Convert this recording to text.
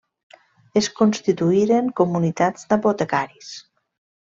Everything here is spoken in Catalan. Es constituïren comunitats d'apotecaris.